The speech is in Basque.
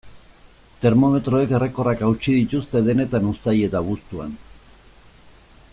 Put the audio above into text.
Termometroek errekorrak hautsi dituzte denetan uztail eta abuztuan.